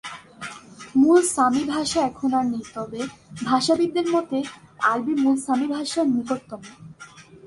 মূল সামি ভাষা এখন আর নেই, তবে ভাষাবিদদের মতে, আরবি মূল সামি ভাষার নিকটতম।